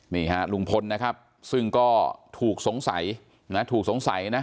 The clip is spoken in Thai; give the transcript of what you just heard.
นี่ฮะลุงพลนะครับซึ่งก็ถูกสงสัยนะถูกสงสัยนะ